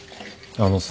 あのさ。